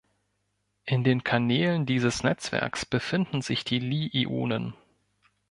In den Kanälen dieses Netzwerks befinden sich die Li-Ionen.